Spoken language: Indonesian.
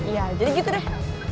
ya jadi gitu deh